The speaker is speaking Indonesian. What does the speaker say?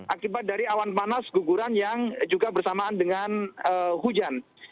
akibat dari awan panas guguran yang juga bersamaan dengan hujan